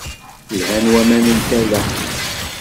Lhan waman n tala.